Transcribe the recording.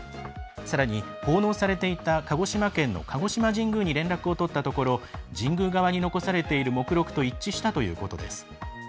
さらに奉納されていた鹿児島県の鹿児島神宮に連絡を取ったところ神宮側に残されている目録と一致したということです。